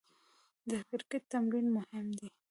د کرکټ تمرین مهم دئ.